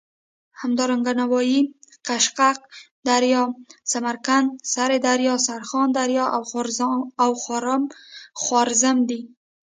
همدارنګه نوايي، قشقه دریا، سمرقند، سردریا، سرخان دریا او خوارزم دي.